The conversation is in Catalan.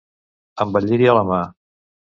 Amb el lliri a la mà.